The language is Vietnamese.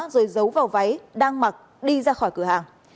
rồi giấu vào váy đang mặc đi ra khỏi cửa hàng